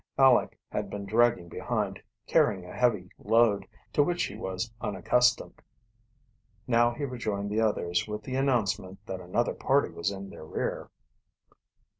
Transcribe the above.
Aleck had been dragging behind, carrying a heavy load, to which he was unaccustomed. Now he rejoined the others with the announcement that another party was in their rear.